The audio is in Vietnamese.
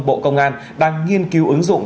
bộ công an đang nghiên cứu ứng dụng